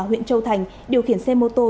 huyện châu thành điều khiển xe mô tô